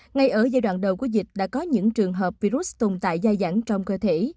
ngay ở giai đoạn đầu của dịch đã có những trường hợp virus tồn tại dài dẳng trong cơ thể